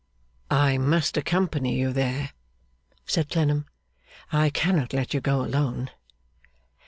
'I must accompany you there,' said Clennam, 'I cannot let you go alone.